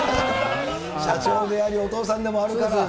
社長であり、お父さんでもあるから。